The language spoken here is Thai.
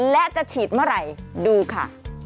และจะฉีดเมื่อไหร่ดูค่ะ